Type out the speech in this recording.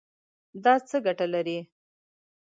دا څه ګټه لري؟